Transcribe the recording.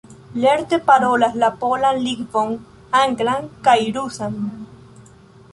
Lerte parolas la polan lingvon, anglan kaj rusan.